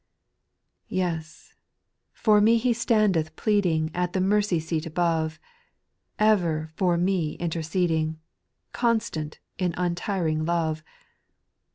8. Yes 1 for me He standeth pleading, At the mercy seat above ; Ever for me interceding. Constant in untiring love.